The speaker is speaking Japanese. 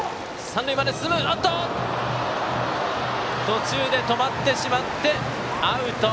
途中で止まってしまってアウト。